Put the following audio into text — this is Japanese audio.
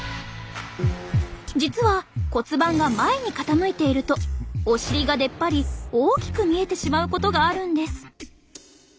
実は骨盤が前に傾いているとお尻が出っ張り大きく見えてしまうことがあるんです。